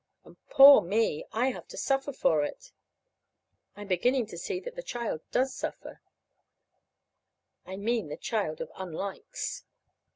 And poor me I have to suffer for it. I'm beginning to see that the child does suffer I mean the child of unlikes.